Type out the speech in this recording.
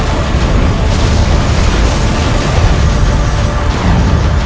tolong pastikan semua pengungsi